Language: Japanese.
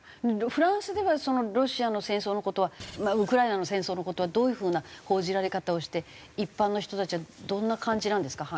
フランスではロシアの戦争の事はウクライナの戦争の事はどういう風な報じられ方をして一般の人たちはどんな感じなんですか？